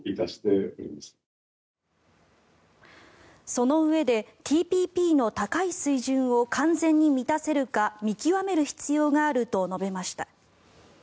そのうえでＴＰＰの高い水準を完全に満たせるか見極める必要があると述べました。